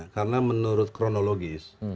karena menurut kronologis